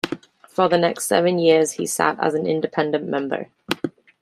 For the next seven years he sat as an independent member.